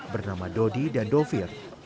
bernama dodi dan dovir